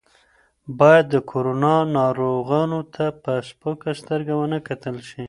باید د کرونا ناروغانو ته په سپکه سترګه ونه کتل شي.